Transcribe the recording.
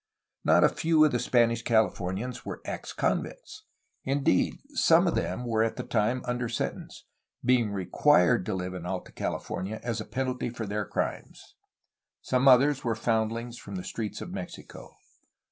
Not a few of the Spanish Cali fornians were ex convicts; indeed, some of them were at the time under sentence, being required to live in Alta California as a penalty for their crimes ! Some others were foundlings from the streets of Mexico.